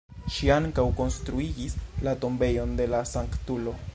Ŝi ankaŭ konstruigis la tombejon de la sanktulo.